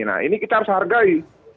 nah ini kita harus hargai